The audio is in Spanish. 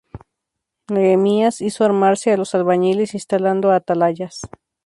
Nehemías hizo armarse a los albañiles, instalando atalayas.